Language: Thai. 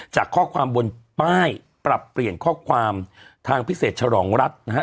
จากข้อความบนป้ายปรับเปลี่ยนข้อความทางพิเศษฉลองรัฐนะฮะ